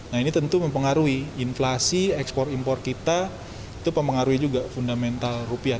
nah ini tentu mempengaruhi inflasi ekspor impor kita itu mempengaruhi juga fundamental rupiah